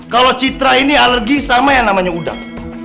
kalau citra ini alergi sama yang namanya udang